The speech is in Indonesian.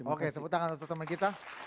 oke tepuk tangan untuk teman kita